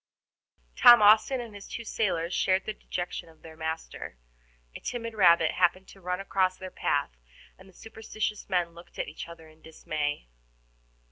Tom Austin and his two sailors shared the dejection of their master. A timid rabbit happened to run across their path, and the superstitious men looked at each other in dismay.